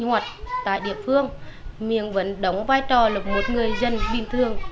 hoặc tại địa phương mình vẫn đóng vai trò là một người dân bình thường